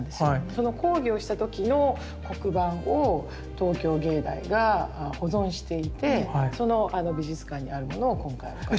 その講義をした時の黒板を東京藝大が保存していてその美術館にあるものを今回お借りして。